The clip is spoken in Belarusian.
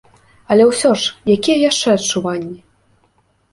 Але ўсё ж, якія яшчэ адчуванні?